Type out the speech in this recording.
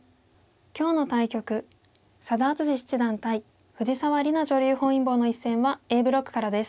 今日の対局佐田篤史七段対藤沢里菜女流本因坊の一戦はＡブロックからです。